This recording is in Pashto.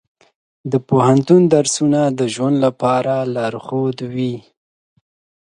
د پوهنتون درسونه د ژوند لپاره لارښود وي.